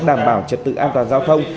đảm bảo trật tự an toàn giao thông